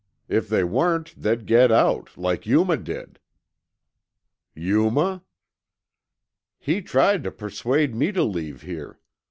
If they weren't, they'd get out, like Yuma did." "Yuma?" "He tried to persuade me to leave here.